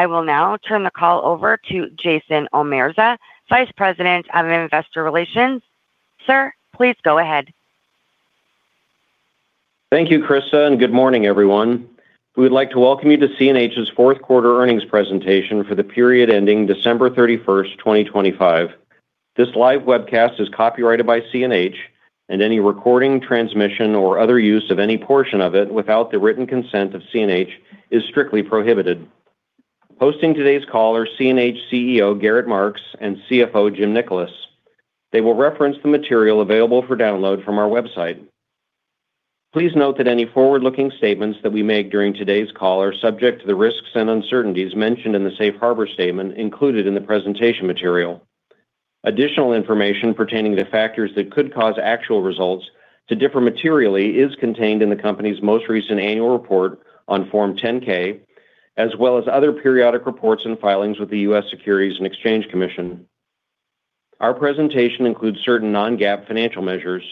I will now turn the call over to Jason Omerza, Vice President of Investor Relations. Sir, please go ahead. Thank you, Kristen, and good morning, everyone. We would like to welcome you to CNH's fourth quarter earnings presentation for the period ending December 31st, 2025. This live webcast is copyrighted by CNH, and any recording, transmission, or other use of any portion of it without the written consent of CNH is strictly prohibited. Hosting today's call are CNH CEO, Gerrit Marx, and CFO, Jim Nickolas. They will reference the material available for download from our website. Please note that any forward-looking statements that we make during today's call are subject to the risks and uncertainties mentioned in the safe harbor statement included in the presentation material. Additional information pertaining to factors that could cause actual results to differ materially is contained in the company's most recent annual report on Form 10-K, as well as other periodic reports and filings with the U.S. Securities and Exchange Commission. Our presentation includes certain non-GAAP financial measures.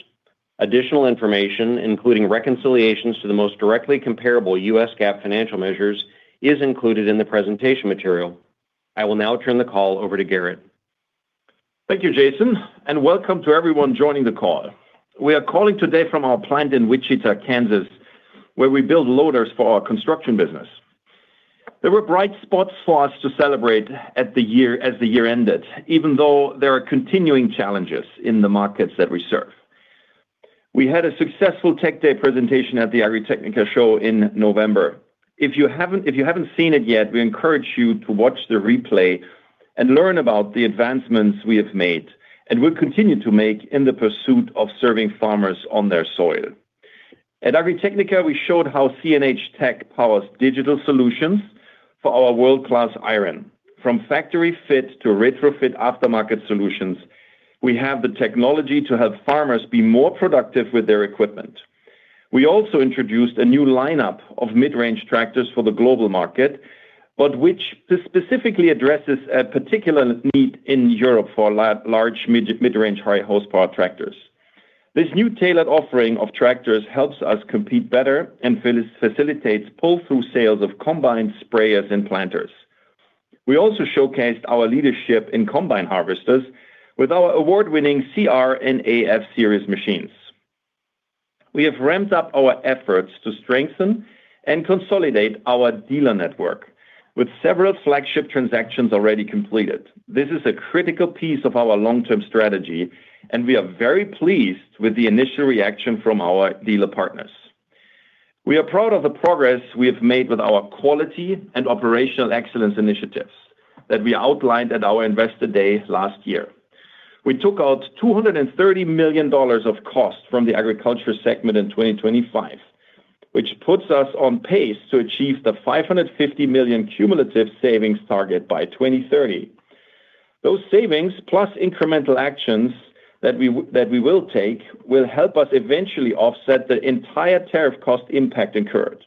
Additional information, including reconciliations to the most directly comparable U.S. GAAP financial measures, is included in the presentation material. I will now turn the call over to Gerrit. Thank you, Jason, and welcome to everyone joining the call. We are calling today from our plant in Wichita, Kansas, where we build loaders for our construction business. There were bright spots for us to celebrate at the year, as the year ended, even though there are continuing challenges in the markets that we serve. We had a successful Tech Day presentation at the Agritechnica show in November. If you haven't, if you haven't seen it yet, we encourage you to watch the replay and learn about the advancements we have made and will continue to make in the pursuit of serving farmers on their soil. At Agritechnica, we showed how CNH tech powers digital solutions for our world-class iron. From factory fit to retrofit aftermarket solutions, we have the technology to help farmers be more productive with their equipment. We also introduced a new lineup of mid-range tractors for the global market, but which specifically addresses a particular need in Europe for large, mid-range, high-horsepower tractors. This new tailored offering of tractors helps us compete better and facilitates pull-through sales of combined sprayers and planters. We also showcased our leadership in combine harvesters with our award-winning CR series and AF series machines. We have ramped up our efforts to strengthen and consolidate our dealer network, with several flagship transactions already completed. This is a critical piece of our long-term strategy, and we are very pleased with the initial reaction from our dealer partners. We are proud of the progress we have made with our quality and operational excellence initiatives that we outlined at our Investor Day last year. We took out $230 million of cost from the agriculture segment in 2025, which puts us on pace to achieve the $550 million cumulative savings target by 2030. Those savings, plus incremental actions that we, that we will take, will help us eventually offset the entire tariff cost impact incurred.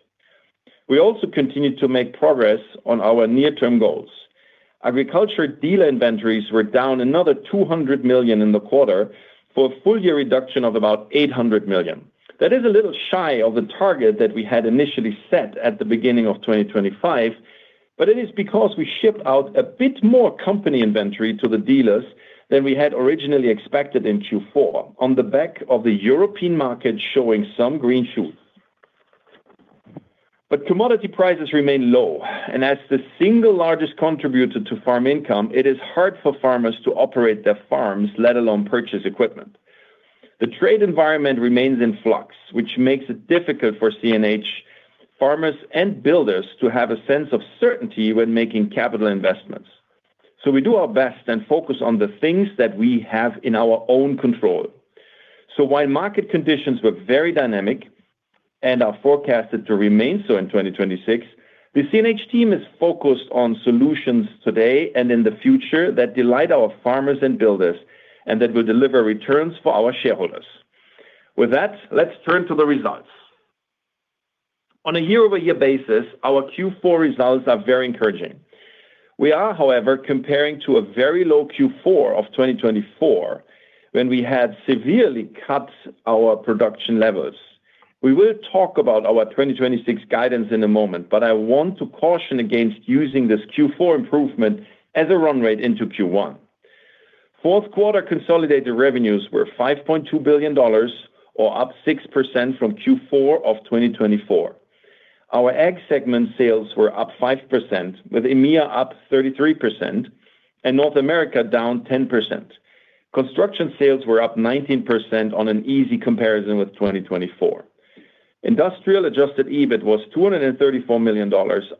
We also continued to make progress on our near-term goals. Agriculture dealer inventories were down another $200 million in the quarter for a full year reduction of about $800 million. That is a little shy of the target that we had initially set at the beginning of 2025, but it is because we shipped out a bit more company inventory to the dealers than we had originally expected in Q4, on the back of the European market showing some green shoots. But commodity prices remain low, and as the single largest contributor to farm income, it is hard for farmers to operate their farms, let alone purchase equipment. The trade environment remains in flux, which makes it difficult for CNH farmers and builders to have a sense of certainty when making capital investments. We do our best and focus on the things that we have in our own control. While market conditions were very dynamic and are forecasted to remain so in 2026, the CNH team is focused on solutions today and in the future that delight our farmers and builders and that will deliver returns for our shareholders. With that, let's turn to the results. On a year-over-year basis, our Q4 results are very encouraging. We are, however, comparing to a very low Q4 of 2024, when we had severely cut our production levels. We will talk about our 2026 guidance in a moment, but I want to caution against using this Q4 improvement as a run rate into Q1. Fourth quarter consolidated revenues were $5.2 billion, or up 6% from Q4 of 2024. Our Ag segment sales were up 5%, with EMEA up 33% and North America down 10%. Construction sales were up 19% on an easy comparison with 2024. Industrial adjusted EBIT was $234 million,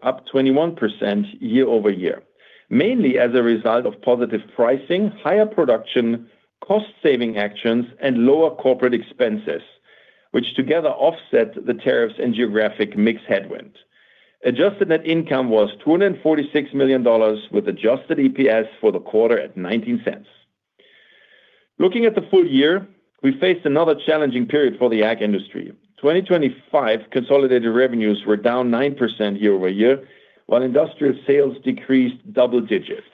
up 21% year-over-year, mainly as a result of positive pricing, higher production, cost-saving actions, and lower corporate expenses, which together offset the tariffs and geographic mix headwind. Adjusted net income was $246 million, with adjusted EPS for the quarter at $0.19. Looking at the full year, we faced another challenging period for the Ag industry. 2025 consolidated revenues were down 9% year-over-year, while industrial sales decreased double digits.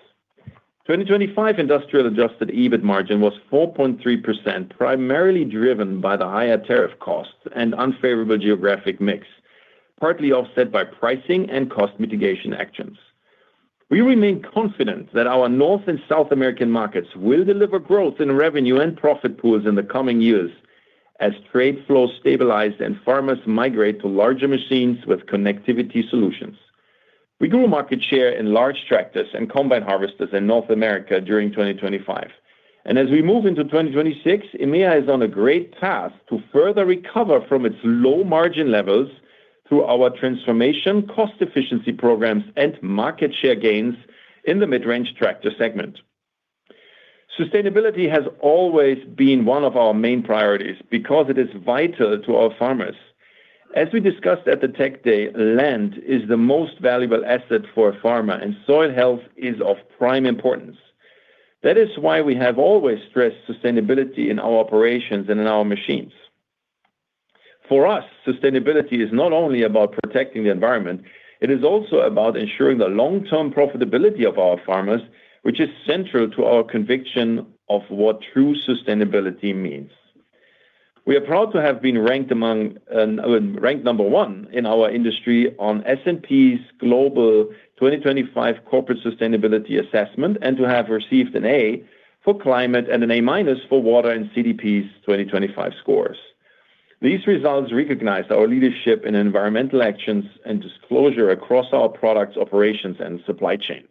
2025 industrial adjusted EBIT margin was 4.3%, primarily driven by the higher tariff costs and unfavorable geographic mix, partly offset by pricing and cost mitigation actions. We remain confident that our North and South American markets will deliver growth in revenue and profit pools in the coming years as trade flows stabilize and farmers migrate to larger machines with connectivity solutions. We grew market share in large tractors and combine harvesters in North America during 2025. As we move into 2026, EMEA is on a great path to further recover from its low margin levels through our transformation, cost efficiency programs, and market share gains in the mid-range tractor segment. Sustainability has always been one of our main priorities because it is vital to our farmers. As we discussed at the Tech Day, land is the most valuable asset for a farmer, and soil health is of prime importance. That is why we have always stressed sustainability in our operations and in our machines. For us, sustainability is not only about protecting the environment, it is also about ensuring the long-term profitability of our farmers, which is central to our conviction of what true sustainability means. We are proud to have been ranked among, ranked number one in our industry on S&P Global 2025 Corporate Sustainability Assessment, and to have received an A for climate and an A- for water in CDP's 2025 scores. These results recognize our leadership in environmental actions and disclosure across our products, operations, and supply chain.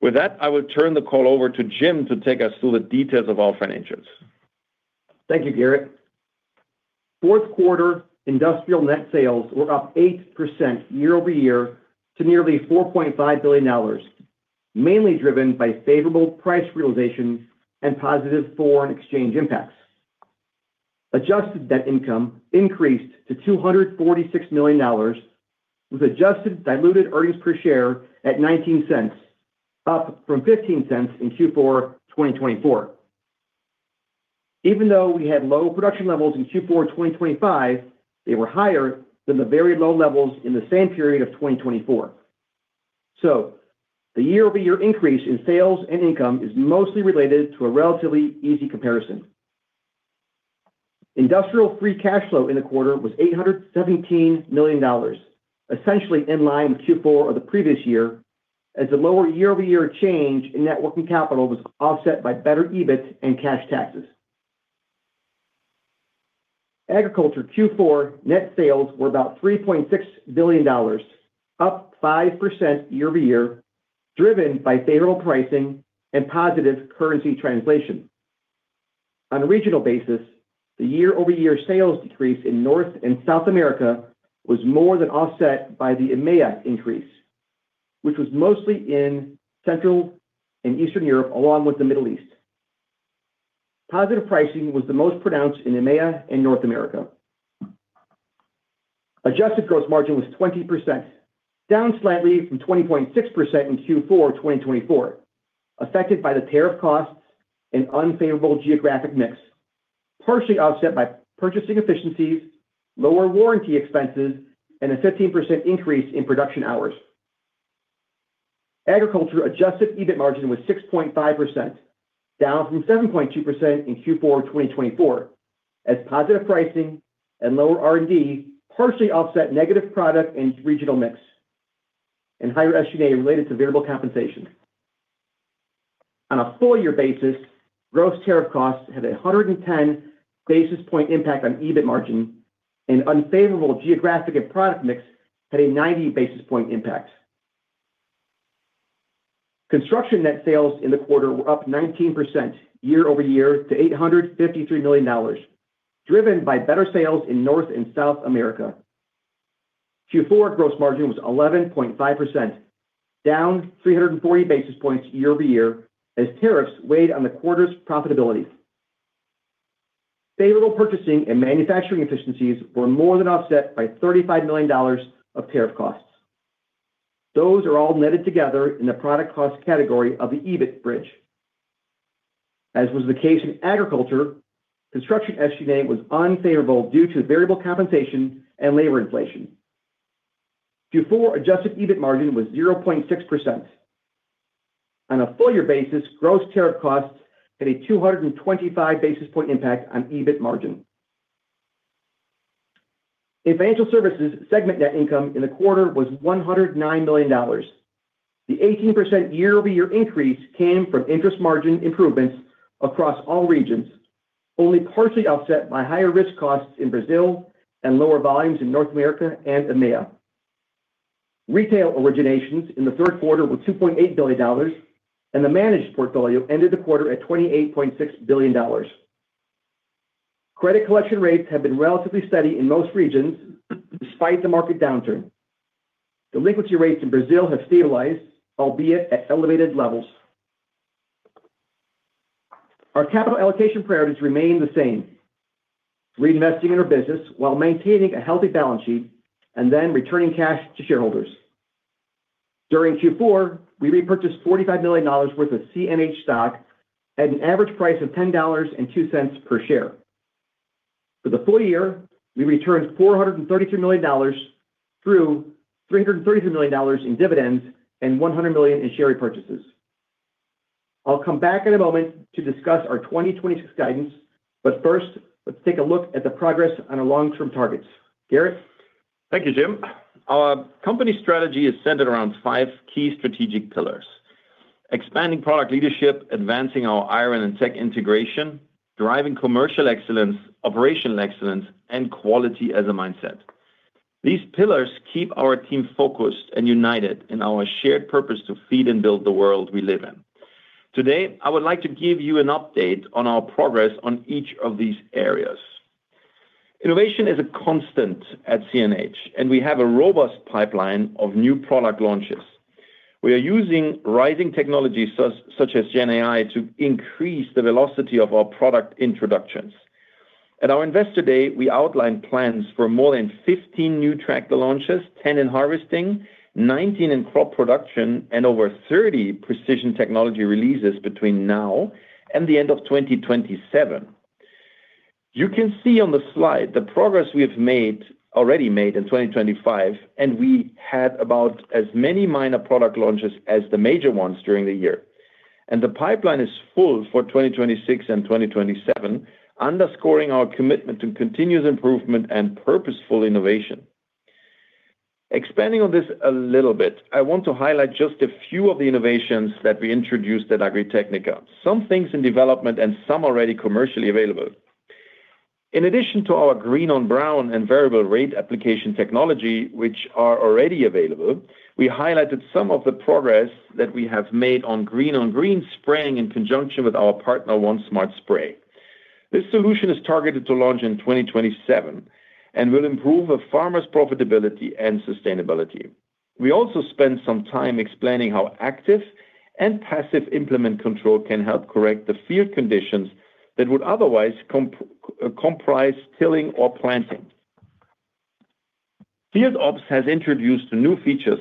With that, I will turn the call over to Jim to take us through the details of our financials. Thank you, Gerrit. Fourth quarter industrial net sales were up 8% year-over-year to nearly $4.5 billion, mainly driven by favorable price realizations and positive foreign exchange impacts. Adjusted net income increased to $246 million, with adjusted diluted earnings per share at $0.19, up from $0.15 in Q4 2024. Even though we had low production levels in Q4 2025, they were higher than the very low levels in the same period of 2024. So the year-over-year increase in sales and income is mostly related to a relatively easy comparison. Industrial free cash flow in the quarter was $817 million, essentially in line with Q4 of the previous year, as the lower year-over-year change in net working capital was offset by better EBIT and cash taxes. Agriculture Q4 net sales were about $3.6 billion, up 5% year-over-year, driven by favorable pricing and positive currency translation. On a regional basis, the year-over-year sales decrease in North and South America was more than offset by the EMEA increase, which was mostly in Central and Eastern Europe, along with the Middle East. Positive pricing was the most pronounced in EMEA and North America. Adjusted gross margin was 20%, down slightly from 20.6% in Q4 2024, affected by the tariff costs and unfavorable geographic mix, partially offset by purchasing efficiencies, lower warranty expenses, and a 15% increase in production hours. Agriculture adjusted EBIT margin was 6.5%, down from 7.2% in Q4 2024, as positive pricing and lower R&D partially offset negative product and regional mix and higher SG&A related to variable compensation. On a full year basis, gross tariff costs had a 110 basis point impact on EBIT margin, and unfavorable geographic and product mix had a 90 basis point impact. Construction net sales in the quarter were up 19% year-over-year to $853 million, driven by better sales in North and South America. Q4 gross margin was 11.5%, down 340 basis points year-over-year, as tariffs weighed on the quarter's profitability. Favorable purchasing and manufacturing efficiencies were more than offset by $35 million of tariff costs. Those are all netted together in the product cost category of the EBIT bridge. As was the case in agriculture, construction SGA was unfavorable due to variable compensation and labor inflation. Q4 adjusted EBIT margin was 0.6%. On a full year basis, gross tariff costs had a 225 basis point impact on EBIT margin. Financial services segment net income in the quarter was $109 million. The 18% year-over-year increase came from interest margin improvements across all regions, only partially offset by higher risk costs in Brazil and lower volumes in North America and EMEA. Retail originations in the third quarter were $2.8 billion, and the managed portfolio ended the quarter at $28.6 billion. Credit collection rates have been relatively steady in most regions despite the market downturn. Delinquency rates in Brazil have stabilized, albeit at elevated levels. Our capital allocation priorities remain the same: reinvesting in our business while maintaining a healthy balance sheet and then returning cash to shareholders. During Q4, we repurchased $45 million worth of CNH stock at an average price of $10.02 per share. For the full year, we returned $432 million through $332 million in dividends and $100 million in share repurchases. I'll come back in a moment to discuss our 2026 guidance, but first, let's take a look at the progress on our long-term targets. Gerrit? Thank you, Jim. Our company strategy is centered around five key strategic pillars: expanding product leadership, advancing our iron and tech integration, driving commercial excellence, operational excellence, and quality as a mindset. These pillars keep our team focused and united in our shared purpose to feed and build the world we live in. Today, I would like to give you an update on our progress on each of these areas. Innovation is a constant at CNH, and we have a robust pipeline of new product launches. We are using rising technologies such as GenAI, to increase the velocity of our product introductions. At our Investor Day, we outlined plans for more than 15 new tractor launches, 10 in harvesting, 19 in crop production, and over 30 precision technology releases between now and the end of 2027. You can see on the slide the progress we have made, already made in 2025, and we had about as many minor product launches as the major ones during the year. The pipeline is full for 2026 and 2027, underscoring our commitment to continuous improvement and purposeful innovation. Expanding on this a little bit, I want to highlight just a few of the innovations that we introduced at Agritechnica, some things in development and some already commercially available. In addition to our green-on-brown and variable rate application technology, which are already available, we highlighted some of the progress that we have made on green-on-green spraying in conjunction with our partner, ONE SMART SPRAY. This solution is targeted to launch in 2027 and will improve a farmer's profitability and sustainability. We also spent some time explaining how active and passive implement control can help correct the field conditions that would otherwise comprise tilling or planting. FieldOps has introduced new features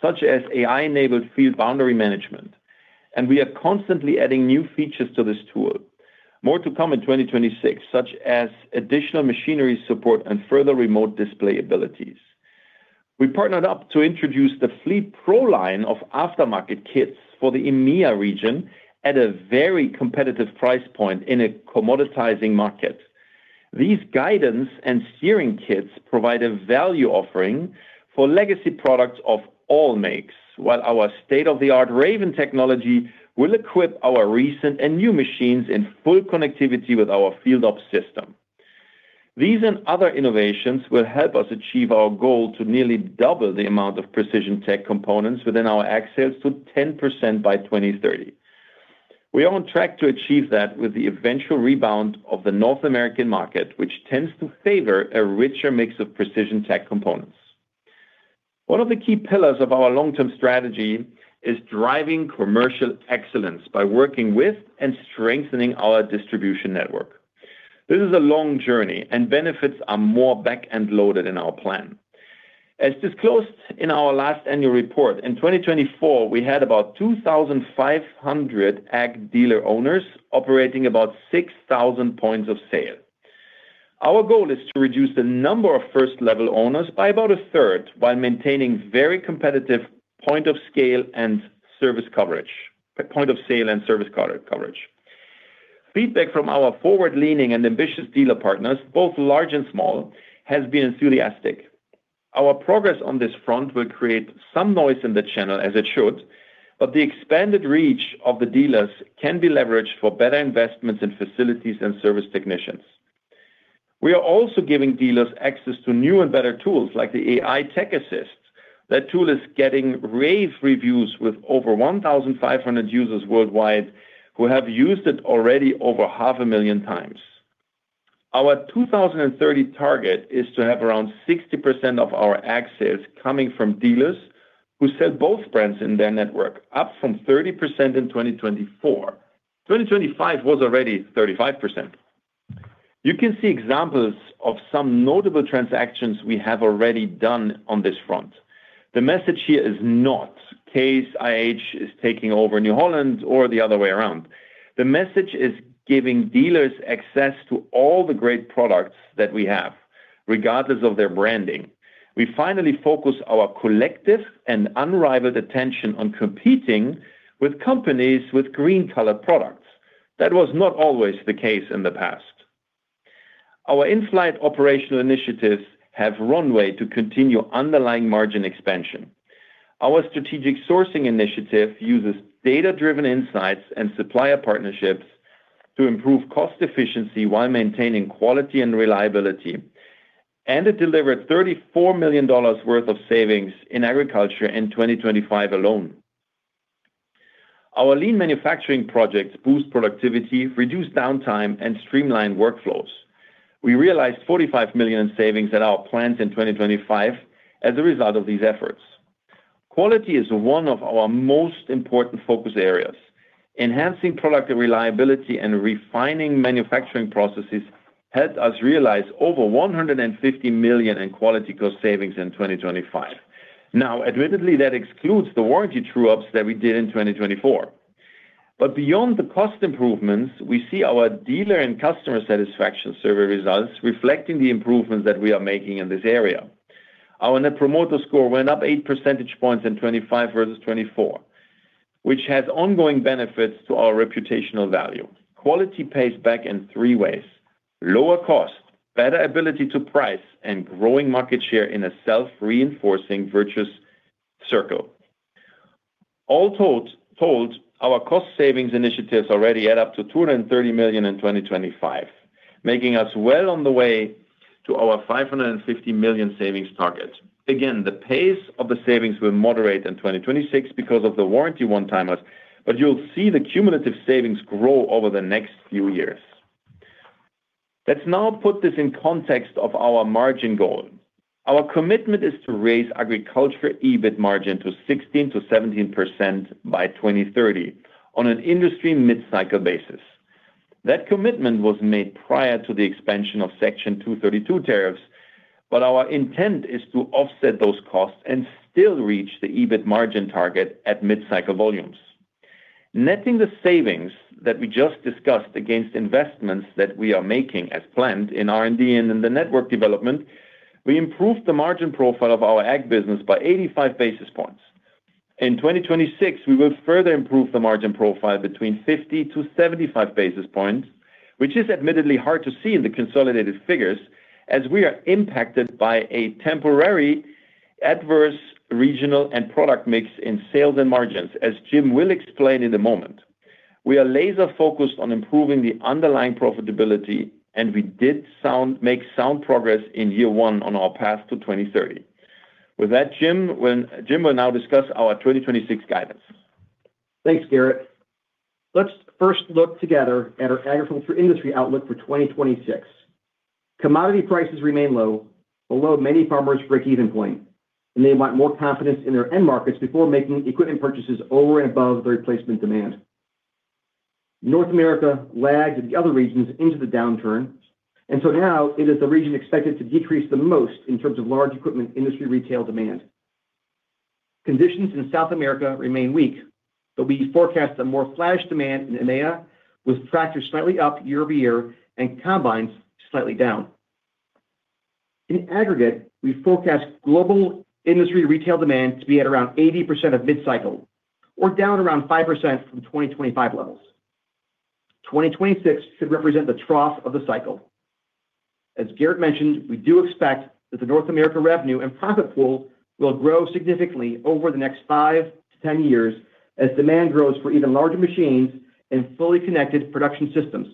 such as AI-enabled field boundary management, and we are constantly adding new features to this tool. More to come in 2026, such as additional machinery support and further remote display abilities. We partnered up to introduce the FLEETPRO line of aftermarket kits for the EMEA region at a very competitive price point in a commoditizing market. These guidance and steering kits provide a value offering for legacy products of all makes, while our state-of-the-art Raven technology will equip our recent and new machines in full connectivity with our FieldOps system. These and other innovations will help us achieve our goal to nearly double the amount of precision tech components within our Ag sales to 10% by 2030. We are on track to achieve that with the eventual rebound of the North American market, which tends to favor a richer mix of precision tech components. One of the key pillars of our long-term strategy is driving commercial excellence by working with and strengthening our distribution network. This is a long journey, and benefits are more back-end loaded in our plan. As disclosed in our last annual report, in 2024, we had about 2,500 Ag dealer owners operating about 6,000 points of sale. Our goal is to reduce the number of first-level owners by about a third, by maintaining very competitive point of sale and service coverage. Feedback from our forward-leaning and ambitious dealer partners, both large and small, has been enthusiastic. Our progress on this front will create some noise in the channel, as it should, but the expanded reach of the dealers can be leveraged for better investments in facilities and service technicians. We are also giving dealers access to new and better tools, like the AI Tech Assist. That tool is getting rave reviews with over 1,500 users worldwide who have used it already over 500,000 times. Our 2030 target is to have around 60% of our axials coming from dealers who sell both brands in their network, up from 30% in 2024. 2025 was already 35%. You can see examples of some notable transactions we have already done on this front. The message here is not Case IH is taking over New Holland or the other way around. The message is giving dealers access to all the great products that we have, regardless of their branding. We finally focus our collective and unrivaled attention on competing with companies with green-colored products. That was not always the case in the past. Our in-flight operational initiatives have runway to continue underlying margin expansion. Our strategic sourcing initiative uses data-driven insights and supplier partnerships to improve cost efficiency while maintaining quality and reliability, and it delivered $34 million worth of savings in agriculture in 2025 alone. Our lean manufacturing projects boost productivity, reduce downtime, and streamline workflows. We realized $45 million in savings at our plants in 2025 as a result of these efforts. Quality is one of our most important focus areas. Enhancing product reliability and refining manufacturing processes helped us realize over $150 million in quality cost savings in 2025. Now, admittedly, that excludes the warranty true-ups that we did in 2024... But beyond the cost improvements, we see our dealer and customer satisfaction survey results reflecting the improvements that we are making in this area. Our net promoter score went up eight percentage points in 2025 versus 2024, which has ongoing benefits to our reputational value. Quality pays back in three ways: lower cost, better ability to price, and growing market share in a self-reinforcing virtuous circle. All told, our cost savings initiatives already add up to $230 million in 2025, making us well on the way to our $550 million savings target. Again, the pace of the savings will moderate in 2026 because of the warranty one-timers, but you'll see the cumulative savings grow over the next few years. Let's now put this in context of our margin goal. Our commitment is to raise agriculture EBIT margin to 16%-17% by 2030 on an industry mid-cycle basis. That commitment was made prior to the expansion of Section 232 tariffs, but our intent is to offset those costs and still reach the EBIT margin target at mid-cycle volumes. Netting the savings that we just discussed against investments that we are making as planned in R&D and in the network development, we improved the margin profile of our Ag business by 85 basis points. In 2026, we will further improve the margin profile between 50 basis points-75 basis points, which is admittedly hard to see in the consolidated figures, as we are impacted by a temporary adverse regional and product mix in sales and margins, as Jim will explain in a moment. We are laser-focused on improving the underlying profitability, and we did make sound progress in year one on our path to 2030. With that, Jim, Jim will now discuss our 2026 guidance. Thanks, Gerrit. Let's first look together at our agricultural industry outlook for 2026. Commodity prices remain low, below many farmers' break-even point, and they want more confidence in their end markets before making equipment purchases over and above the replacement demand. North America lagged the other regions into the downturn, and so now it is the region expected to decrease the most in terms of large equipment industry retail demand. Conditions in South America remain weak, but we forecast a more flat demand in EMEA, with tractors slightly up year-over-year and combines slightly down. In aggregate, we forecast global industry retail demand to be at around 80% of mid-cycle or down around 5% from 2025 levels. 2026 should represent the trough of the cycle. As Gerrit mentioned, we do expect that the North America revenue and profit pool will grow significantly over the next five to 10 years as demand grows for even larger machines and fully connected production systems.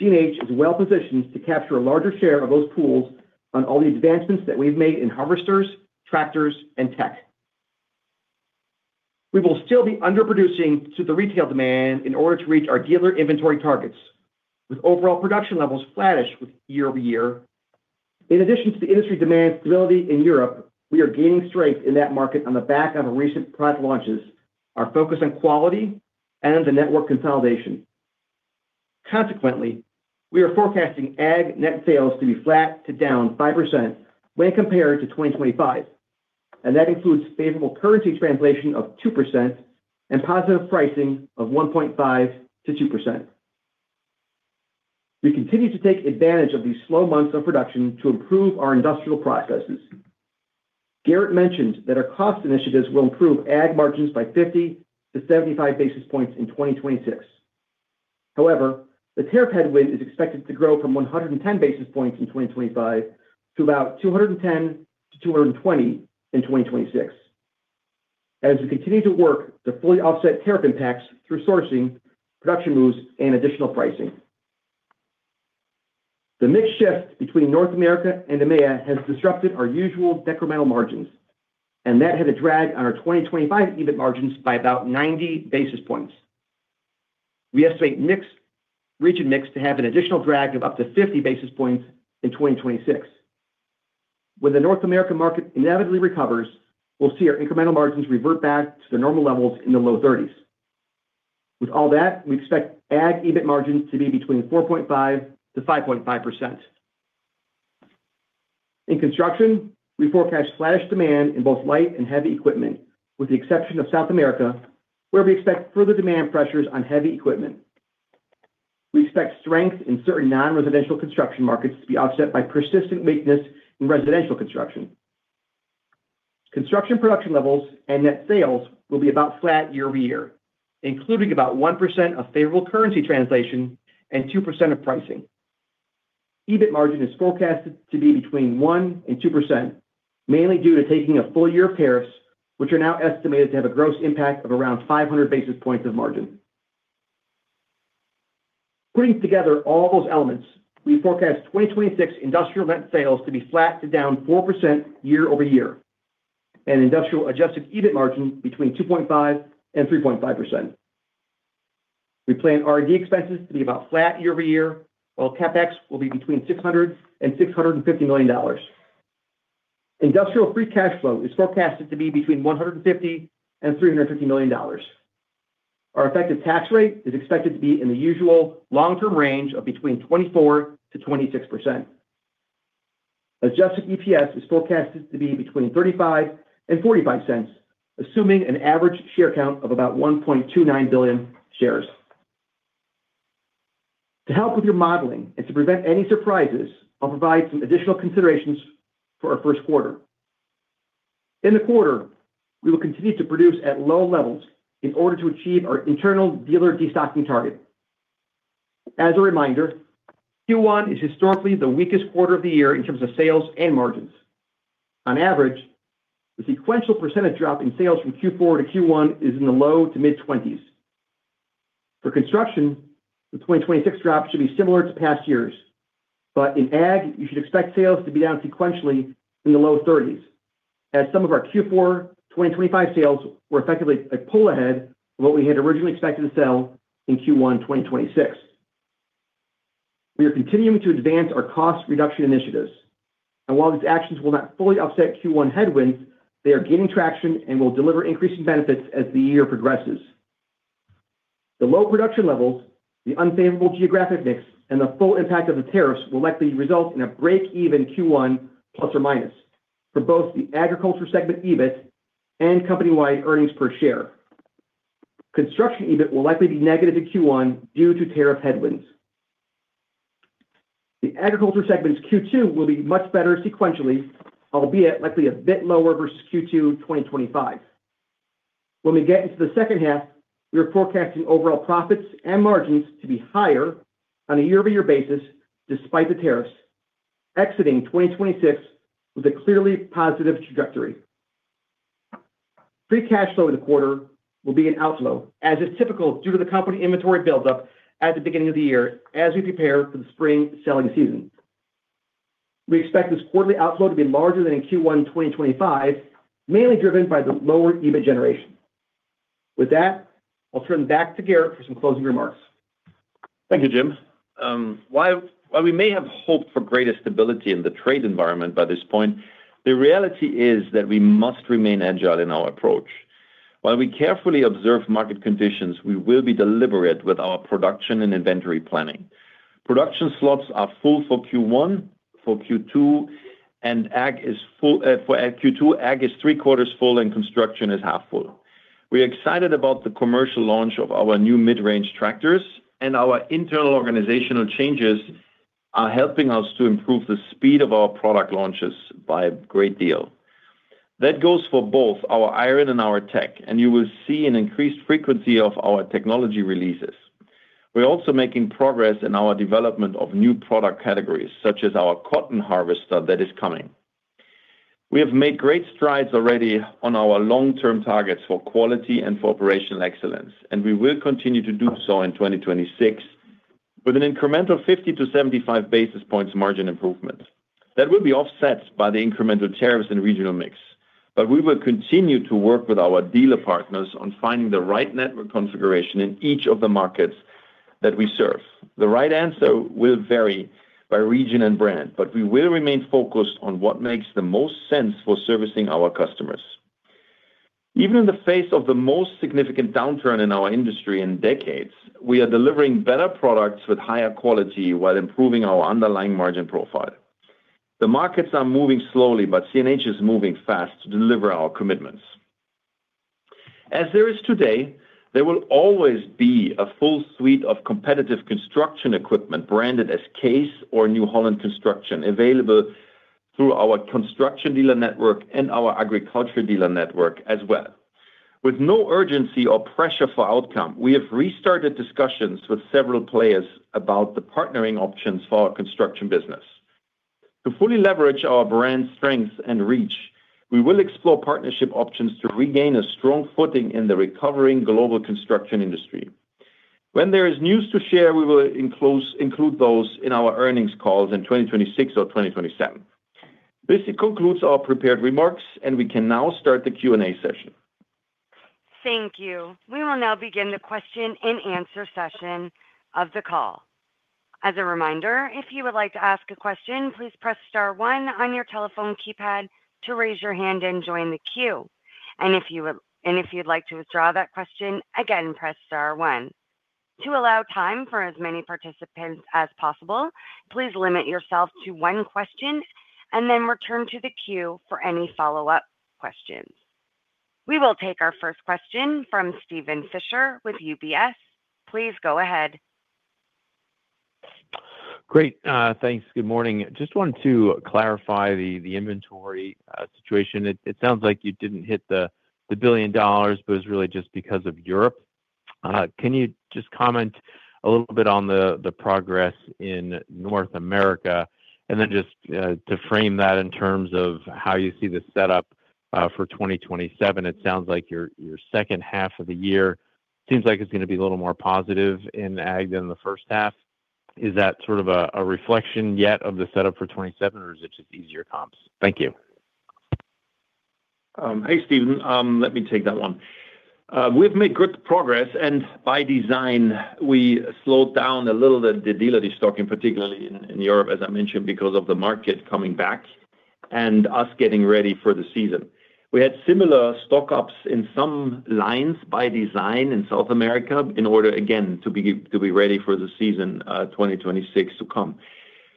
CNH is well positioned to capture a larger share of those pools on all the advancements that we've made in harvesters, tractors, and tech. We will still be underproducing to the retail demand in order to reach our dealer inventory targets, with overall production levels flattish with year-over-year. In addition to the industry demand stability in Europe, we are gaining strength in that market on the back of recent product launches, our focus on quality, and the network consolidation. Consequently, we are forecasting Ag net sales to be flat to down 5% when compared to 2025, and that includes favorable currency translation of 2% and positive pricing of 1.5%-2%. We continue to take advantage of these slow months of production to improve our industrial processes. Gerrit mentioned that our cost initiatives will improve Ag margins by 50 basis points-75 basis points in 2026. However, the tariff headwind is expected to grow from 110 basis points in 2025 to about 210-220 in 2026. As we continue to work to fully offset tariff impacts through sourcing, production moves, and additional pricing. The mix shift between North America and EMEA has disrupted our usual decremental margins, and that had a drag on our 2025 EBIT margins by about 90 basis points. We estimate mix-region mix to have an additional drag of up to 50 basis points in 2026. When the North American market inevitably recovers, we'll see our incremental margins revert back to their normal levels in the low 30s. With all that, we expect Ag EBIT margins to be between 4.5%-5.5%. In construction, we forecast flattish demand in both light and heavy equipment, with the exception of South America, where we expect further demand pressures on heavy equipment. We expect strength in certain non-residential construction markets to be offset by persistent weakness in residential construction. Construction production levels and net sales will be about flat year-over-year, including about 1% of favorable currency translation and 2% of pricing. EBIT margin is forecasted to be between 1% and 2%, mainly due to taking a full year of tariffs, which are now estimated to have a gross impact of around 500 basis points of margin. Putting together all those elements, we forecast 2026 industrial net sales to be flat to down 4% year-over-year, and industrial adjusted EBIT margin between 2.5% and 3.5%. We plan R&D expenses to be about flat year-over-year, while CapEx will be between $600 million and $650 million. Industrial free cash flow is forecasted to be between $150 million and $350 million. Our effective tax rate is expected to be in the usual long-term range of between 24% and 26%. Adjusted EPS is forecasted to be between $0.35 and $0.45, assuming an average share count of about 1.29 billion shares. To help with your modeling and to prevent any surprises, I'll provide some additional considerations for our first quarter. In the quarter, we will continue to produce at low levels in order to achieve our internal dealer destocking target. As a reminder, Q1 is historically the weakest quarter of the year in terms of sales and margins. On average, the sequential percentage drop in sales from Q4 to Q1 is in the low-to-mid-20s. For construction, the 2026 drop should be similar to past years. But in Ag, you should expect sales to be down sequentially in the low 30s, as some of our Q4 2025 sales were effectively a pull ahead of what we had originally expected to sell in Q1 2026. We are continuing to advance our cost reduction initiatives, and while these actions will not fully offset Q1 headwinds, they are gaining traction and will deliver increasing benefits as the year progresses. The low production levels, the unfavorable geographic mix, and the full impact of the tariffs will likely result in a break-even Q1 plus or minus for both the agriculture segment, EBIT, and company-wide earnings per share. Construction EBIT will likely be negative in Q1 due to tariff headwinds. The Agriculture segment's Q2 will be much better sequentially, albeit likely a bit lower versus Q2 2025. When we get into the second half, we are forecasting overall profits and margins to be higher on a year-over-year basis, despite the tariffs, exiting 2026 with a clearly positive trajectory. Free cash flow in the quarter will be an outflow, as is typical, due to the company inventory buildup at the beginning of the year as we prepare for the spring selling season. We expect this quarterly outflow to be larger than in Q1 2025, mainly driven by the lower EBIT generation. With that, I'll turn back to Gerrit for some closing remarks. Thank you, Jim. While we may have hoped for greater stability in the trade environment by this point, the reality is that we must remain agile in our approach. While we carefully observe market conditions, we will be deliberate with our production and inventory planning. Production slots are full for Q1. For Q2, and Ag is full, for Q2, Ag is three-quarters full and construction is half full. We are excited about the commercial launch of our new mid-range tractors, and our internal organizational changes are helping us to improve the speed of our product launches by a great deal. That goes for both our iron and our tech, and you will see an increased frequency of our technology releases. We're also making progress in our development of new product categories, such as our cotton harvester that is coming. We have made great strides already on our long-term targets for quality and for operational excellence, and we will continue to do so in 2026 with an incremental 50-75 basis points margin improvement. That will be offset by the incremental tariffs and regional mix, but we will continue to work with our dealer partners on finding the right network configuration in each of the markets that we serve. The right answer will vary by region and brand, but we will remain focused on what makes the most sense for servicing our customers. Even in the face of the most significant downturn in our industry in decades, we are delivering better products with higher quality while improving our underlying margin profile. The markets are moving slowly, but CNH is moving fast to deliver our commitments. As there is today, there will always be a full suite of competitive construction equipment branded as Case or New Holland Construction, available through our construction dealer network and our agriculture dealer network as well. With no urgency or pressure for outcome, we have restarted discussions with several players about the partnering options for our construction business. To fully leverage our brand strength and reach, we will explore partnership options to regain a strong footing in the recovering global construction industry. When there is news to share, we will include those in our earnings calls in 2026 or 2027. This concludes our prepared remarks, and we can now start the Q&A session. Thank you. We will now begin the question-and-answer session of the call. As a reminder, if you would like to ask a question, please press star one on your telephone keypad to raise your hand and join the queue. And if you'd like to withdraw that question again, press star one. To allow time for as many participants as possible, please limit yourself to one question and then return to the queue for any follow-up questions. We will take our first question from Steven Fisher with UBS. Please go ahead. Great, thanks. Good morning. Just wanted to clarify the inventory situation. It sounds like you didn't hit the $1 billion, but it was really just because of Europe. Can you just comment a little bit on the progress in North America? And then just to frame that in terms of how you see the setup for 2027. It sounds like your second half of the year seems like it's gonna be a little more positive in Ag than the first half. Is that sort of a reflection yet of the setup for 2027, or is it just easier comps? Thank you. Hey, Steven. Let me take that one. We've made good progress, and by design, we slowed down a little bit the dealer destocking, particularly in Europe, as I mentioned, because of the market coming back and us getting ready for the season. We had similar stock-ups in some lines by design in South America, in order, again, to be ready for the season, 2026 to come.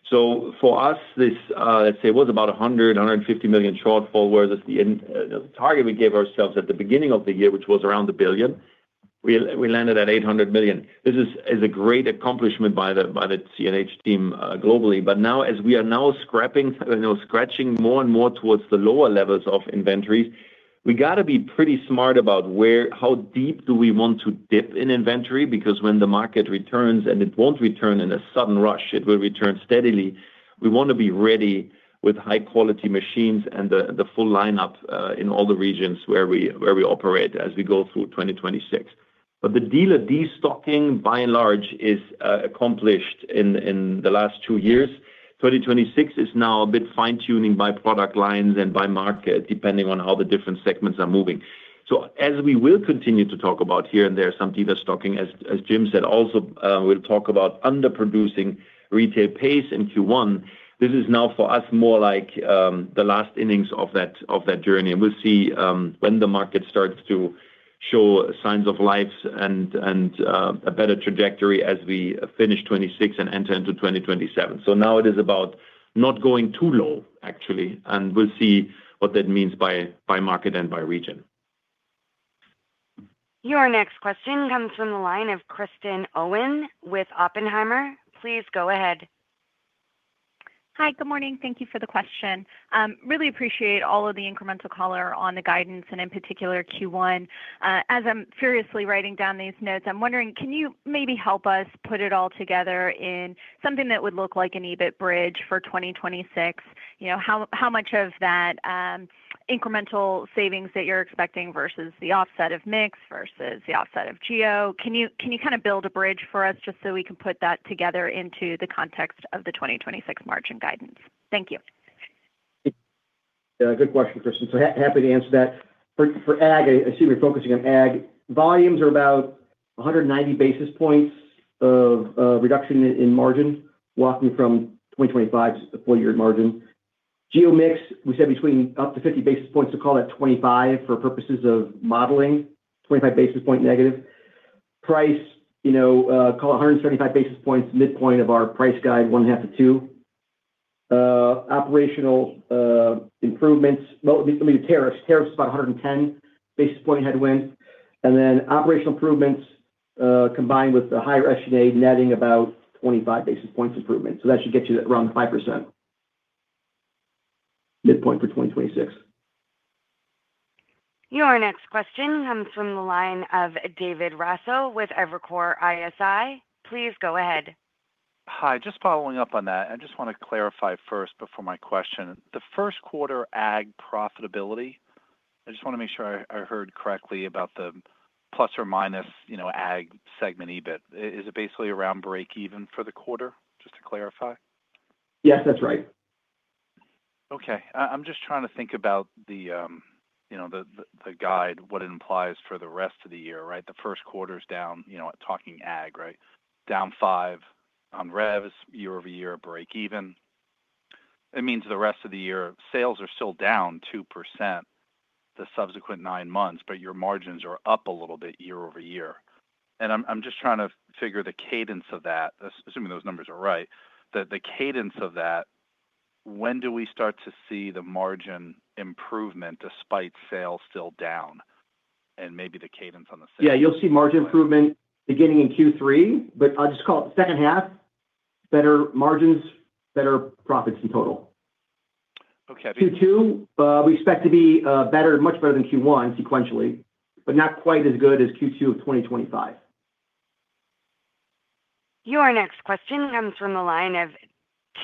So for us, this, let's say, was about a $150 million shortfall, whereas the target we gave ourselves at the beginning of the year, which was around $1 billion, we landed at $800 million. This is a great accomplishment by the CNH team, globally. But now, as we are now scraping, you know, scratching more and more towards the lower levels of inventories, we got to be pretty smart about where—how deep do we want to dip in inventory? Because when the market returns, and it won't return in a sudden rush, it will return steadily, we want to be ready with high-quality machines and the full lineup in all the regions where we operate as we go through 2026. But the dealer destocking, by and large, is accomplished in the last two years. 2026 is now a bit fine-tuning by product lines and by market, depending on how the different segments are moving. So as we will continue to talk about here and there, some dealer stocking, as Jim said, also, we'll talk about underproducing retail pace in Q1. This is now for us, more like, the last innings of that, of that journey, and we'll see, when the market starts to show signs of life and a better trajectory as we finish 2026 and enter into 2027. So now it is about not going too low, actually, and we'll see what that means by, by market and by region. Your next question comes from the line of Kristen Owen with Oppenheimer. Please go ahead. Hi, good morning. Thank you for the question. Really appreciate all of the incremental color on the guidance and in particular, Q1. As I'm furiously writing down these notes, I'm wondering, can you maybe help us put it all together in something that would look like an EBIT bridge for 2026? You know, how, how much of that, incremental savings that you're expecting versus the offset of mix, versus the offset of geo? Can you, can you kind of build a bridge for us just so we can put that together into the context of the 2026 margin guidance? Thank you. Yeah, good question, Kristen. So happy to answer that. For Ag, I assume you're focusing on ag. Volumes are about 190 basis points of reduction in margin, walking from 2025 full year margin. Geo mix, we said between up to 50 basis points, so call it 25 for purposes of modeling, 25 basis point negative. Price, you know, call it 175 basis points, midpoint of our price guide, 0.5 to two. Operational improvements - well, let me do tariffs. Tariffs is about 110 basis point headwind. And then operational improvements, combined with the higher estimate, netting about 25 basis points improvement. So that should get you to around 5% midpoint for 2026. Your next question comes from the line of David Raso with Evercore ISI. Please go ahead. Hi, just following up on that. I just want to clarify first before my question. The first quarter Ag profitability, I just want to make sure I, I heard correctly about the plus or minus, you know, Ag segment EBIT. Is it basically around breakeven for the quarter, just to clarify? Yes, that's right. Okay. I'm just trying to think about the, you know, the guide, what it implies for the rest of the year, right? The first quarter's down, you know, talking Ag, right? Down five on revs, year-over-year breakeven. It means the rest of the year, sales are still down 2% the subsequent nine months, but your margins are up a little bit year-over-year. I'm just trying to figure the cadence of that, assuming those numbers are right. The cadence of that, when do we start to see the margin improvement despite sales still down, and maybe the cadence on the sales? Yeah, you'll see margin improvement beginning in Q3, but I'll just call it the second half. Better margins, better profits in total. Okay. Q2, we expect to be better, much better than Q1 sequentially, but not quite as good as Q2 of 2025. Your next question comes from the line of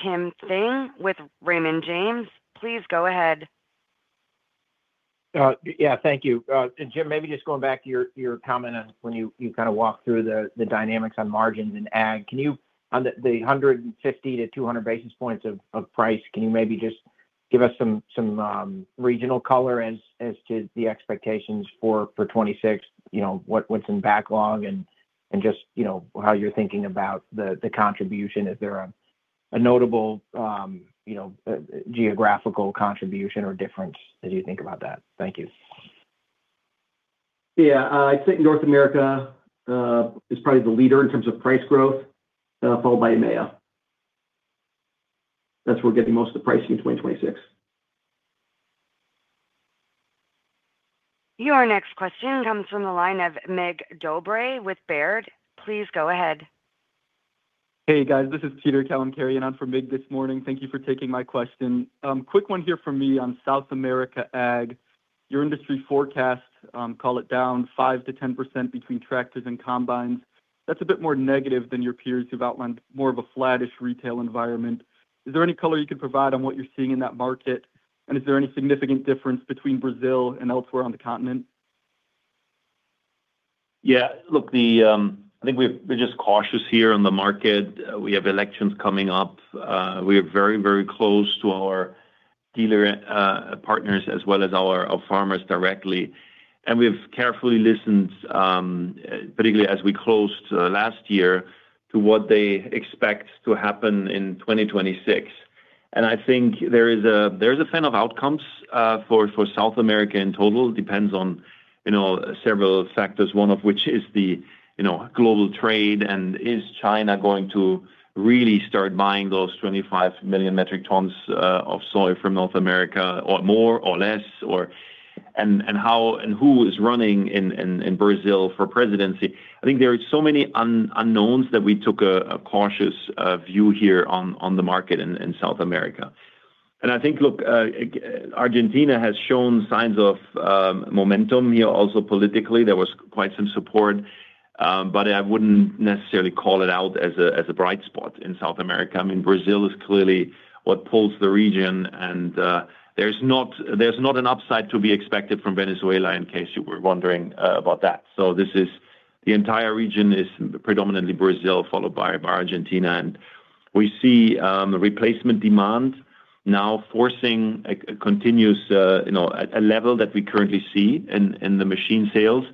Tim Thein with Raymond James. Please go ahead. Yeah, thank you. And Jim, maybe just going back to your comment on when you kind of walked through the dynamics on margins and ag. Can you, on the 150 basis points-200 basis points of price, can you maybe just give us some regional color as to the expectations for 2026? You know, what's in backlog and just how you're thinking about the contribution. Is there a notable geographical contribution or difference as you think about that? Thank you. Yeah, I think North America is probably the leader in terms of price growth, followed by EMEA. That's where we're getting most of the pricing in 2026. Your next question comes from the line of Mircea Dobre with Baird. Please go ahead. Hey, guys, this is Peter Kalemkerian, and I'm for Mircea this morning. Thank you for taking my question. Quick one here for me on South America Ag. Your industry forecast, call it down 5%-10% between tractors and combines. That's a bit more negative than your peers who've outlined more of a flattish retail environment. Is there any color you can provide on what you're seeing in that market? And is there any significant difference between Brazil and elsewhere on the continent? Yeah, look, the I think we're, we're just cautious here on the market. We have elections coming up. We are very, very close to our dealer partners, as well as our farmers directly. And we've carefully listened, particularly as we closed last year, to what they expect to happen in 2026. And I think there is a, there's a fan of outcomes for South America in total. Depends on, you know, several factors, one of which is the, you know, global trade, and is China going to really start buying those 25 million metric tons of soy from North America, or more or less, or. And, and how, and who is running in, in, in Brazil for presidency? I think there are so many unknowns that we took a cautious view here on the market in South America. And I think, look, Argentina has shown signs of momentum here. Also, politically, there was quite some support, but I wouldn't necessarily call it out as a bright spot in South America. I mean, Brazil is clearly what pulls the region, and there's not an upside to be expected from Venezuela, in case you were wondering about that. So this is, the entire region is predominantly Brazil, followed by Argentina. And we see replacement demand now forcing a continuous, you know, a level that we currently see in the machine sales.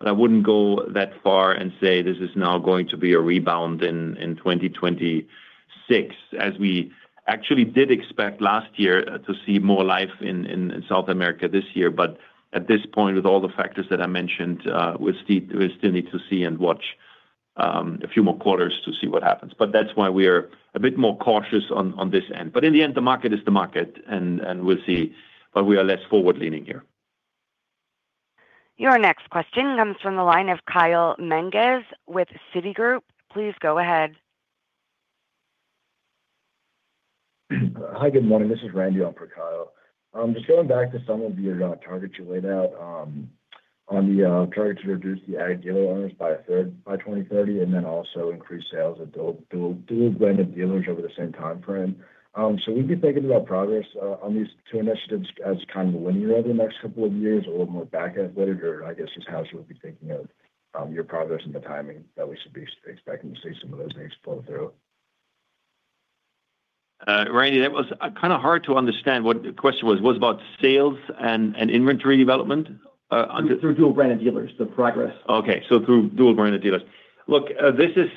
But I wouldn't go that far and say this is now going to be a rebound in 2026, as we actually did expect last year to see more life in South America this year. But at this point, with all the factors that I mentioned, we still need to see and watch a few more quarters to see what happens. But that's why we are a bit more cautious on this end. But in the end, the market is the market, and we'll see, but we are less forward-leaning here. Your next question comes from the line of Kyle Menges with Citigroup. Please go ahead. Hi, good morning. This is Randy on for Kyle. Just going back to some of your targets you laid out, on the target to reduce the Ag dealer owners by a third by 2030, and then also increase sales at dual, dual, dual brand of dealers over the same time frame. So we've been thinking about progress on these two initiatives as kind of linear over the next couple of years, or a little more back-end loaded, or I guess, just how she would be thinking of your progress and the timing that we should be expecting to see some of those things flow through. Randy, that was kind of hard to understand what the question was. Was it about sales and, and inventory development, under. Through dual brand of dealers, the progress. Okay, so through dual brand of dealers. Look, this is,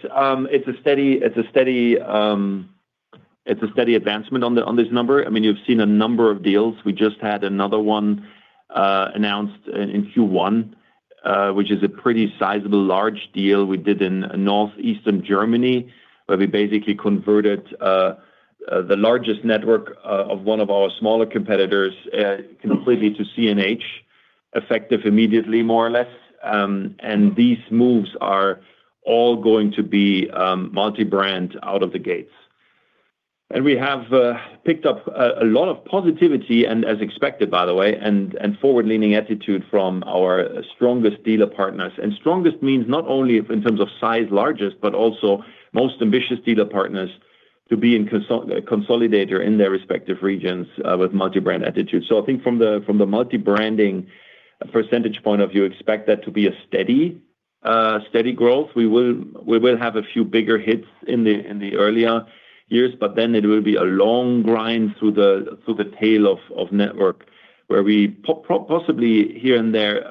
it's a steady advancement on the- on this number. I mean, you've seen a number of deals. We just had another one announced in Q1, which is a pretty sizable large deal we did in northeastern Germany, where we basically converted the largest network of one of our smaller competitors completely to CNH, effective immediately, more or less. And these moves are all going to be multi-brand out of the gates. And we have picked up a lot of positivity, and as expected, by the way, and forward-leaning attitude from our strongest dealer partners. Strongest means not only in terms of size, largest, but also most ambitious dealer partners to be in consolidator in their respective regions, with multi-brand attitude. So I think from the, from the multi-branding percentage point of view, expect that to be a steady, steady growth. We will, we will have a few bigger hits in the, in the earlier years, but then it will be a long grind through the, through the tail of, of network, where we possibly here and there,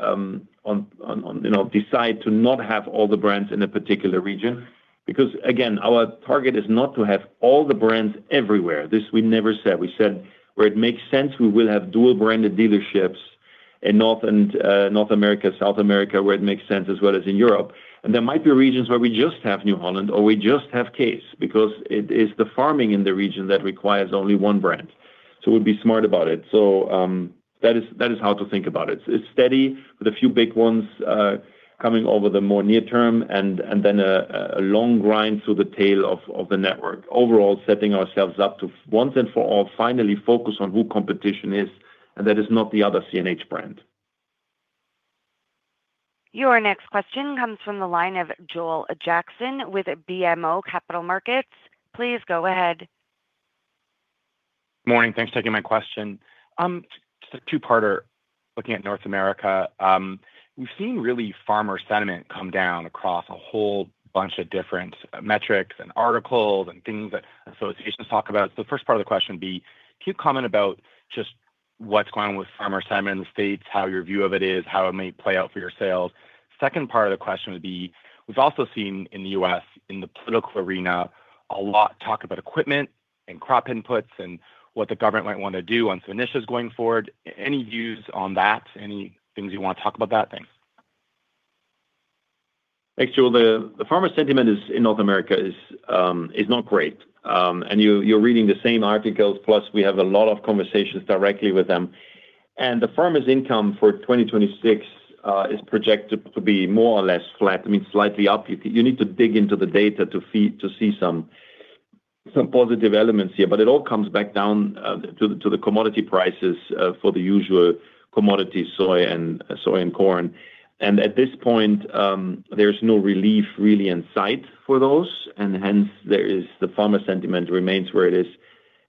on, on, you know, decide to not have all the brands in a particular region. Because, again, our target is not to have all the brands everywhere. This we never said. We said, where it makes sense, we will have dual-branded dealerships in North and, North America, South America, where it makes sense, as well as in Europe. And there might be regions where we just have New Holland or we just have Case, because it is the farming in the region that requires only one brand. So we'll be smart about it. So, that is, that is how to think about it. It's steady, with a few big ones, coming over the more near term and, and then a, a long grind through the tail of, of the network. Overall, setting ourselves up to, once and for all, finally focus on who competition is, and that is not the other CNH brand. Your next question comes from the line of Joel Jackson with BMO Capital Markets. Please go ahead. Morning. Thanks for taking my question. Just a two-parter, looking at North America. We've seen really farmer sentiment come down across a whole bunch of different metrics and articles and things that associations talk about. So the first part of the question would be: Can you comment about just what's going on with farmer sentiment in the States, how your view of it is, how it may play out for your sales? Second part of the question would be: We've also seen in the U.S., in the political arena, a lot talk about equipment and crop inputs and what the government might wanna do on some initiatives going forward. Any views on that? Any things you wanna talk about that? Thanks. Thanks, Joel. The farmer sentiment in North America is not great. And you're reading the same articles, plus we have a lot of conversations directly with them. And the farmers' income for 2026 is projected to be more or less flat, I mean, slightly up. You need to dig into the data to see some positive elements here. But it all comes back down to the commodity prices for the usual commodity soy and corn. And at this point, there's no relief really in sight for those, and hence, the farmer sentiment remains where it is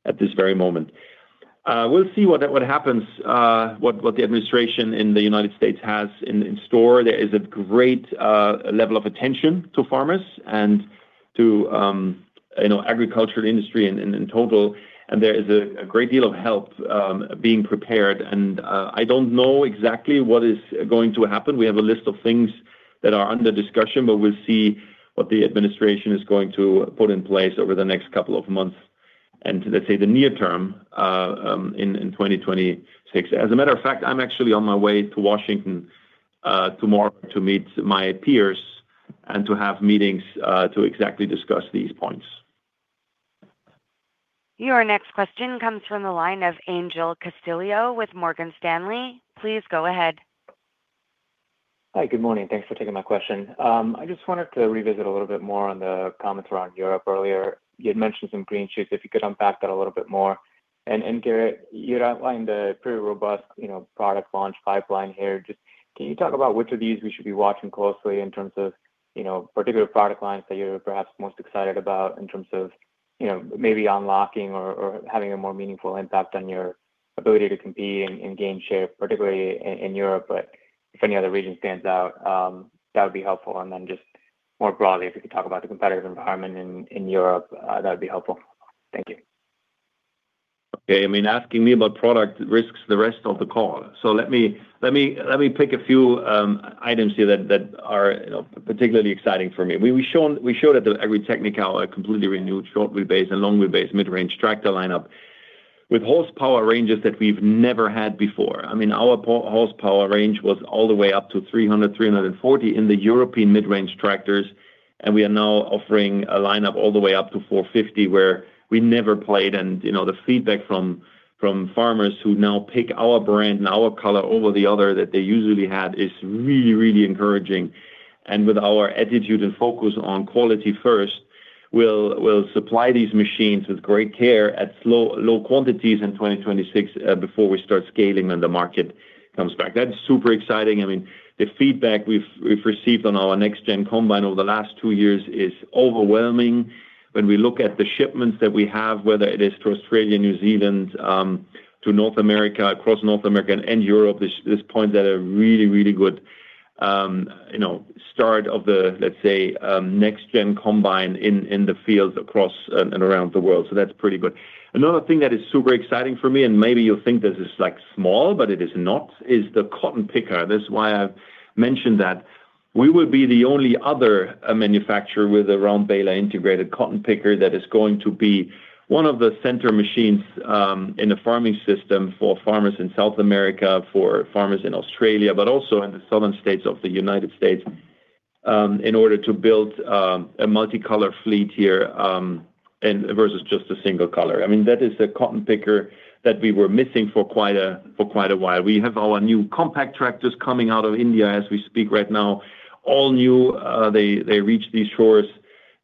at this very moment. We'll see what happens, what the administration in the United States has in store. There is a great level of attention to farmers, and to, you know, agricultural industry in total, and there is a great deal of help being prepared. And I don't know exactly what is going to happen. We have a list of things that are under discussion, but we'll see what the administration is going to put in place over the next couple of months, and let's say, the near term, in 2026. As a matter of fact, I'm actually on my way to Washington tomorrow, to meet my peers and to have meetings to exactly discuss these points. Your next question comes from the line of Angel Castillo with Morgan Stanley. Please go ahead. Hi, good morning. Thanks for taking my question. I just wanted to revisit a little bit more on the comments around Europe earlier. You had mentioned some green shoots, if you could unpack that a little bit more. Gerrit, you'd outlined the pretty robust, you know, product launch pipeline here. Just can you talk about which of these we should be watching closely in terms of, you know, particular product lines that you're perhaps most excited about in terms of, you know, maybe unlocking or having a more meaningful impact on your ability to compete and gain share, particularly in Europe. But if any other region stands out, that would be helpful. Then just more broadly, if you could talk about the competitive environment in Europe, that would be helpful. Thank you. Okay. I mean, asking me about product risks the rest of the call. So let me pick a few items here that are, you know, particularly exciting for me. We showed at the Agritechnica a completely renewed short wheel base and long wheel base mid-range tractor lineup with horsepower ranges that we've never had before. I mean, our horsepower range was all the way up to 300, 340 in the European mid-range tractors, and we are now offering a lineup all the way up to 450, where we never played. And, you know, the feedback from farmers who now pick our brand and our color over the other that they usually had is really, really encouraging. With our attitude and focus on quality first, we'll supply these machines with great care at slow-low quantities in 2026, before we start scaling, and the market comes back. That's super exciting. I mean, the feedback we've received on our next-gen combine over the last two years is overwhelming. When we look at the shipments that we have, whether it is to Australia, New Zealand, to North America, across North America and Europe, this, this point that a really, really good, you know, start of the, let's say, next-gen combine in, in the fields across and, and around the world. So that's pretty good. Another thing that is super exciting for me, and maybe you'll think this is, like, small, but it is not, is the cotton picker. This is why I've mentioned that we will be the only other manufacturer with a round bale integrated cotton picker that is going to be one of the center machines in the farming system for farmers in South America, for farmers in Australia, but also in the southern states of the United States, in order to build a multicolor fleet here, and versus just a single color. I mean, that is a cotton picker that we were missing for quite a, for quite a while. We have our new compact tractors coming out of India as we speak right now, all new, they reach these shores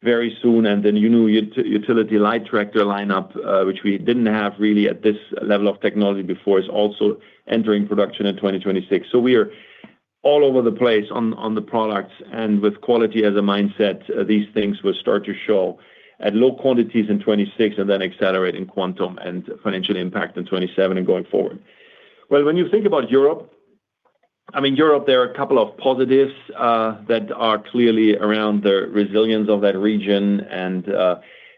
very soon. And then new utility light tractor lineup, which we didn't have really at this level of technology before, is also entering production in 2026. So we are all over the place on the products and with quality as a mindset, these things will start to show at low quantities in 2026 and then accelerate in quantum and financial impact in 2027 and going forward. Well, when you think about Europe, I mean, Europe, there are a couple of positives that are clearly around the resilience of that region and,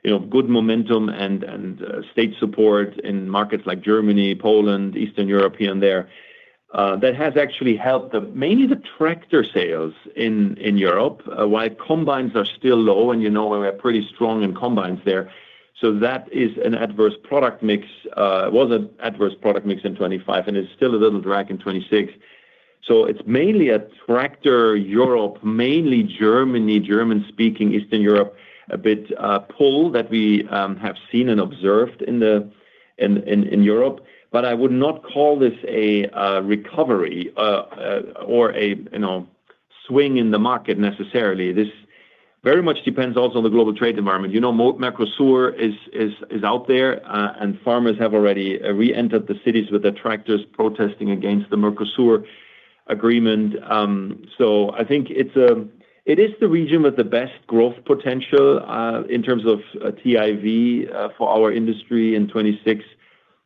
you know, good momentum and state support in markets like Germany, Poland, Eastern European there that has actually helped mainly the tractor sales in Europe. While combines are still low, and you know, we're pretty strong in combines there. So that is an adverse product mix, was an adverse product mix in 2025, and it's still a little drag in 2026. So it's mainly a tractor Europe, mainly Germany, German-speaking Eastern Europe, a bit pull that we have seen and observed in Europe. But I would not call this a recovery or a you know swing in the market necessarily. This very much depends also on the global trade environment. You know, Mercosur is out there and farmers have already reentered the cities with their tractors, protesting against the Mercosur agreement. So I think it is the region with the best growth potential in terms of TIV for our industry in 2026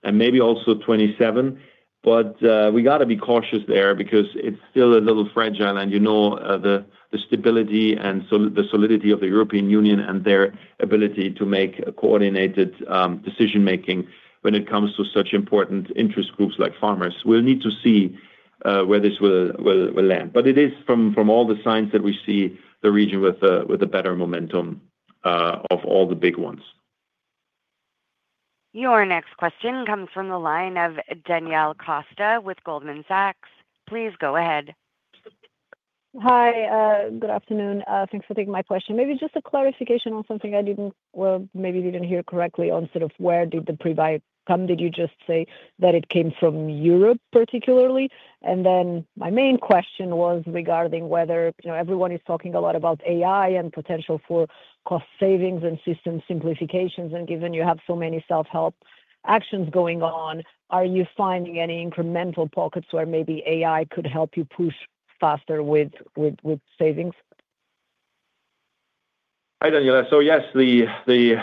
and maybe also 2027. But we got to be cautious there because it's still a little fragile and, you know, the stability and the solidity of the European Union and their ability to make a coordinated decision-making when it comes to such important interest groups like farmers. We'll need to see where this will land. But it is from all the signs that we see, the region with a better momentum of all the big ones. Your next question comes from the line of Daniela Costa with Goldman Sachs. Please go ahead. Hi, good afternoon. Thanks for taking my question. Maybe just a clarification on something I didn't, well, maybe didn't hear correctly on sort of where did the prebuy come? Did you just say that it came from Europe particularly? And then my main question was regarding whether, you know, everyone is talking a lot about AI and potential for cost savings and system simplifications, and given you have so many self-help actions going on, are you finding any incremental pockets where maybe AI could help you push faster with savings? Hi, Daniela. So yes, the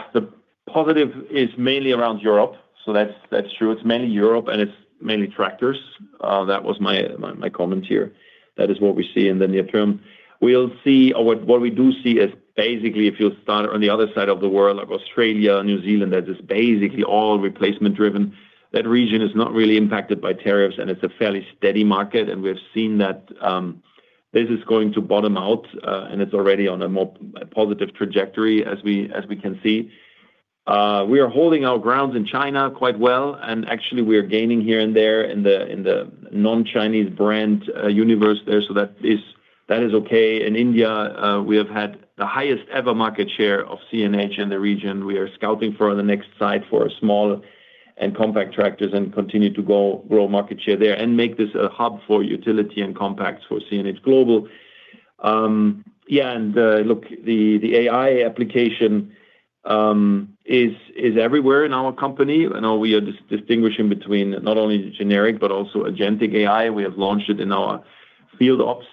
positive is mainly around Europe, so that's true. It's mainly Europe, and it's mainly tractors. That was my comment here. That is what we see in the near term. Or what we do see is basically, if you'll start on the other side of the world, like Australia and New Zealand, that is basically all replacement driven. That region is not really impacted by tariffs, and it's a fairly steady market, and we've seen that this is going to bottom out, and it's already on a more positive trajectory, as we can see. We are holding our grounds in China quite well, and actually we are gaining here and there in the non-Chinese brand universe there. So that is okay. In India, we have had the highest ever market share of CNH in the region. We are scouting for the next site for small and compact tractors and continue to go grow market share there and make this a hub for utility and compacts for CNH Global. And, the AI application is everywhere in our company, and now we are distinguishing between not only generic but also agentic AI. We have launched it in our FieldOps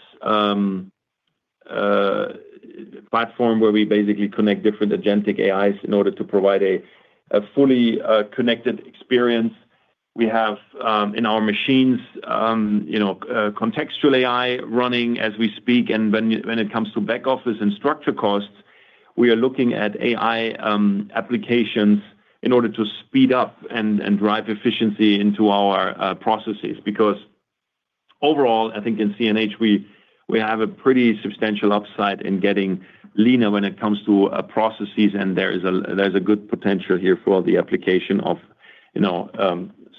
platform, where we basically connect different agentic AIs in order to provide a fully connected experience. We have, in our machines, you know, contextual AI running as we speak. When it comes to back office and structure costs, we are looking at AI applications in order to speed up and drive efficiency into our processes. Because overall, I think in CNH, we have a pretty substantial upside in getting leaner when it comes to processes, and there is a good potential here for the application of, you know,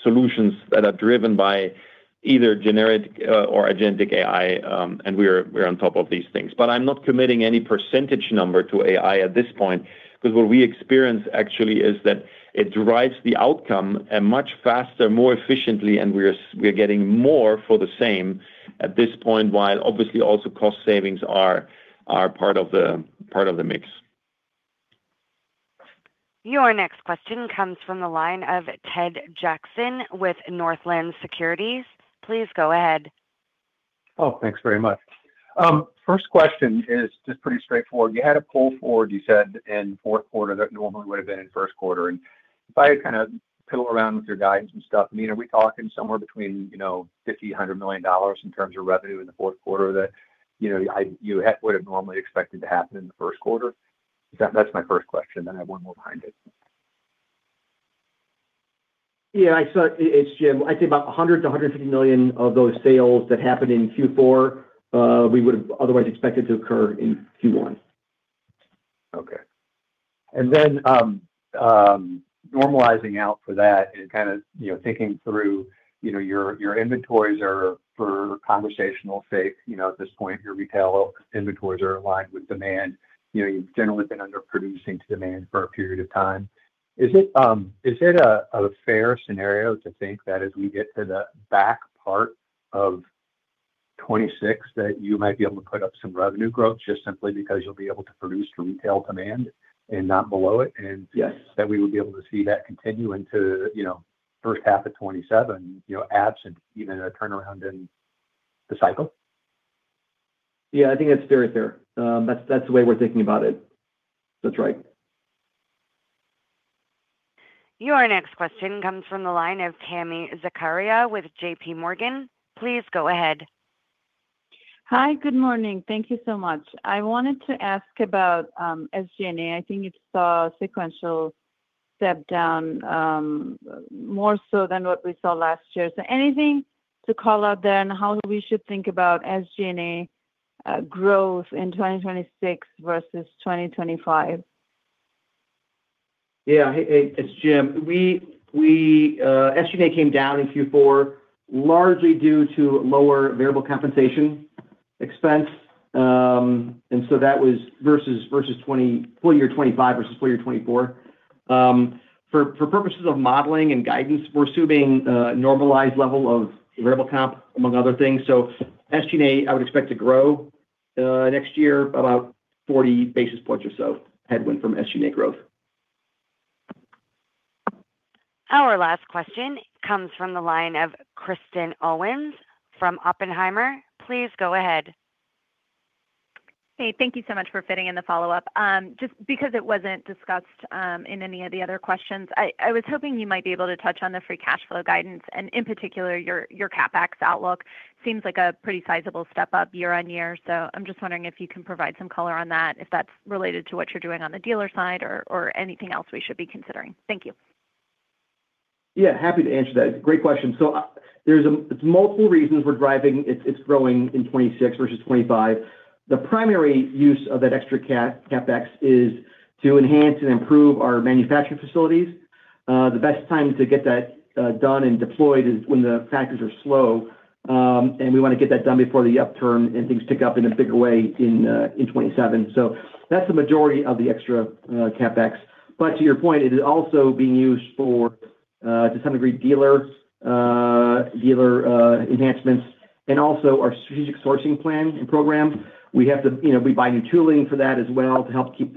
solutions that are driven by either generic or agentic AI, and we're on top of these things. But I'm not committing any percentage number to AI at this point, because what we experience actually is that it drives the outcome, and much faster, more efficiently, and we're getting more for the same at this point, while obviously also cost savings are part of the mix. Your next question comes from the line of Ted Jackson with Northland Securities. Please go ahead. Oh, thanks very much. First question is just pretty straightforward. You had a pull forward, you said, in fourth quarter that normally would have been in first quarter. And if I kind of fiddle around with your guidance and stuff, I mean, are we talking somewhere between, you know, $50 million-$100 million in terms of revenue in the fourth quarter that, you know, would have normally expected to happen in the first quarter? That, that's my first question, then I have one more behind it. Yeah, I saw. It's Jim. I'd say about $100 million-$150 million of those sales that happened in Q4 we would have otherwise expected to occur in Q1. Okay. And then, normalizing out for that and kind of, you know, thinking through, you know, your, your inventories are, for conversational sake, you know, at this point, your retail inventories are aligned with demand. You know, you've generally been underproducing to demand for a period of time. Is it, is it a, a fair scenario to think that as we get to the back part of 2026, that you might be able to put up some revenue growth just simply because you'll be able to produce to retail demand and not below it, and. Yes. That we would be able to see that continue into, you know, first half of 2027, you know, absent even a turnaround in the cycle? Yeah, I think that's very fair. That's, that's the way we're thinking about it. That's right. Your next question comes from the line of Tami Zakaria with JP Morgan. Please go ahead. Hi, good morning. Thank you so much. I wanted to ask about SG&A. I think it saw a sequential step down, more so than what we saw last year. So anything to call out there and how we should think about SG&A growth in 2026 versus 2025? Yeah. Hey, it's Jim. We SG&A came down in Q4, largely due to lower variable compensation expense. And so that was versus full year 2025 versus full year 2024. For purposes of modeling and guidance, we're assuming a normalized level of variable comp, among other things. So SG&A, I would expect to grow next year, about 40 basis points or so headwind from SG&A growth. Our last question comes from the line of Kristen Owen from Oppenheimer. Please go ahead. Hey, thank you so much for fitting in the follow-up. Just because it wasn't discussed in any of the other questions, I was hoping you might be able to touch on the free cash flow guidance and, in particular, your CapEx outlook. Seems like a pretty sizable step up year-over-year, so I'm just wondering if you can provide some color on that, if that's related to what you're doing on the dealer side or anything else we should be considering. Thank you. Yeah, happy to answer that. Great question. So, there's multiple reasons we're driving—it's growing in 2026 versus 2025. The primary use of that extra CapEx is to enhance and improve our manufacturing facilities. The best time to get that done and deployed is when the factories are slow, and we want to get that done before the upturn, and things pick up in a bigger way in 2027. So that's the majority of the extra CapEx. But to your point, it is also being used for, to some degree, dealer enhancements and also our strategic sourcing plan and program. We have to, you know, we buy new tooling for that as well to help keep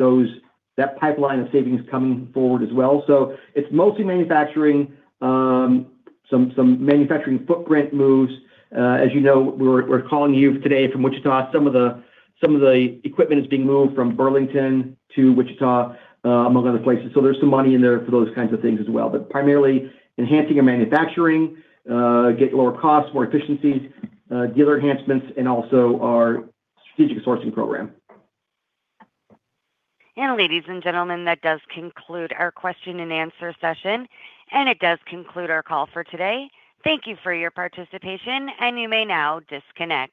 that pipeline of savings coming forward as well. So it's mostly manufacturing, some manufacturing footprint moves. As you know, we're, we're calling you today from Wichita. Some of the, some of the equipment is being moved from Burlington to Wichita, among other places. So there's some money in there for those kinds of things as well. But primarily enhancing our manufacturing, get lower costs, more efficiencies, dealer enhancements, and also our strategic sourcing program. Ladies and gentlemen, that does conclude our question and answer session, and it does conclude our call for today. Thank you for your participation, and you may now disconnect.